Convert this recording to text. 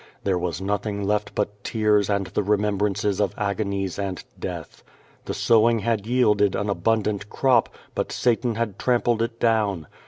There was nothing left but tears and the remembrances of agonies and death. The sowing had yielded an abundant crop, but Satan had trampled it down.